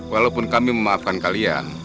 walaupun kami memaafkan kalian